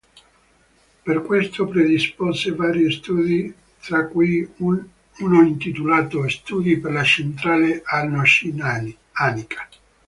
Per questo predispose vari studi, tra cui uno intitolato "Studio per la centrale Arno-Scianica".